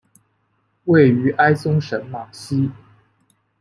位于埃松省马西。